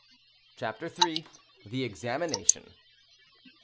CHAPTER III. THE EXAMINATION.